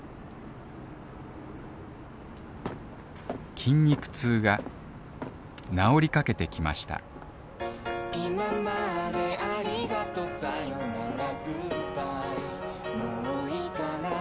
筋肉痛が治りかけてきましたうわ。